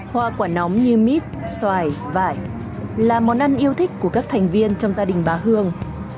hoa quả nóng như mít xoài vải là món ăn yêu thích của các thành viên trong gia đình bà hương